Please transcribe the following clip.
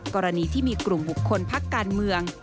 กรณีที่มีกลุ่ม๖คนภักดิ์การเมือง